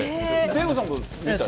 デーブさんも見た？